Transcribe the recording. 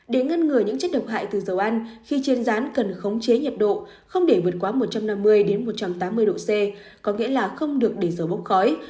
để ngăn ngừa những chất độc hại từ dầu ăn khi trên rán cần khống chế nhiệt độ không để vượt quá một trăm năm mươi một trăm tám mươi độ c có nghĩa là không được để dầu bốc khói